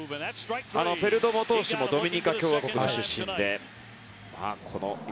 ペルドモ投手もドミニカ共和国の出身ということで。